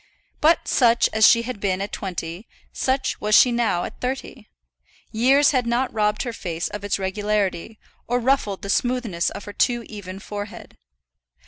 But such as she had been at twenty, such was she now at thirty. Years had not robbed her face of its regularity, or ruffled the smoothness of her too even forehead.